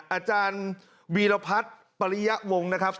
อาจารย์วีรพัฒน์ปริยะวงนะครับ